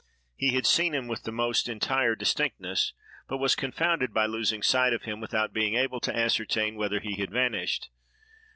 He had seen him with the most entire distinctness; but was confounded by losing sight of him, without being able to ascertain whither he had vanished.